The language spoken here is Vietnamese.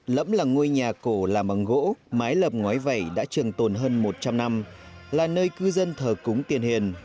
lẫm là ngôi nhà cổ làm bằng gỗ mái lập ngói vẩy đã trường tồn hơn một trăm linh năm là nơi cư dân thờ cúng tiền hiền